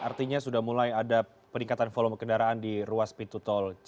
artinya sudah mulai ada peningkatan volume kendaraan di ruas pintu tol